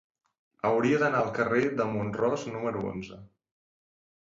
Hauria d'anar al carrer de Mont-ros número onze.